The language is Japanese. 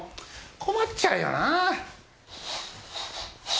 困っちゃうよな！